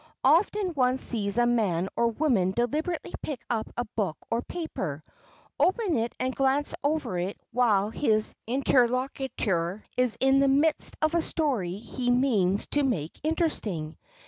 Often one sees a man or woman deliberately pick up a book or paper, open it and glance over it while his interlocutor is in the midst of a story he means to make interesting.